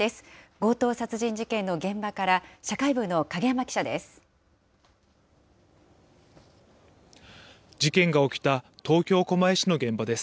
強盗殺人事件の現場から、社会部の影山記者です。